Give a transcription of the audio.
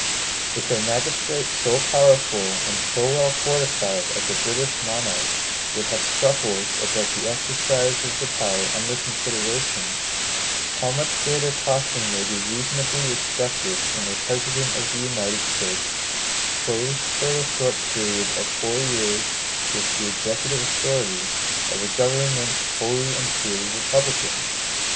If a magistrate so powerful and so well fortified as a British monarch, would have scruples about the exercise of the power under consideration, how much greater caution may be reasonably expected in a President of the United States, clothed for the short period of four years with the executive authority of a government wholly and purely republican?